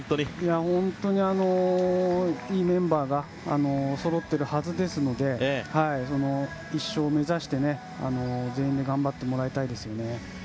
本当に、いいメンバーがそろっているはずですので１勝を目指して、全員で頑張ってもらいたいですね。